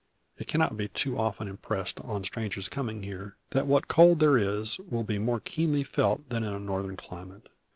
It cannot be too often impressed on strangers coming here, that what cold there is will be more keenly felt than in a Northern climate.